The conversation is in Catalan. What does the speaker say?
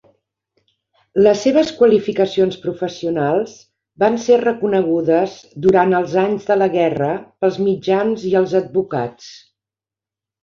Les seves qualificacions professionals van ser reconegudes durant els anys de la guerra pels mitjans i els advocats.